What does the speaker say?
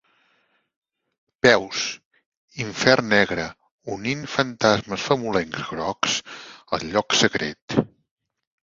Peus: infern negre, unint fantasmes famolencs grocs al lloc secret.